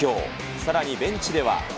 さらにベンチでは。